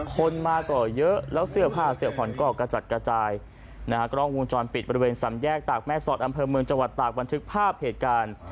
คนมาก่อเยอะแล้วเสื้อผ้าเสื้อผ่อนก็กระจัดกระจายนะฮะกล้องวงจรปิดบริเวณสำแยกตากแม่สอดอำเภอเมืองจังหวัดตากบันทึกภาพเหตุการณ์